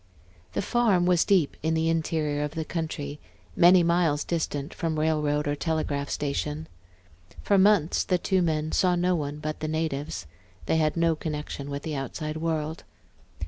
The farm was deep in the interior of the country, many miles distant from railroad or telegraph station. For months the two men saw no one but the natives; they had no connection with the outside world.